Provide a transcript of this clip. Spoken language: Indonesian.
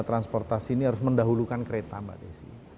transportasi ini harus mendahulukan kereta mbak desi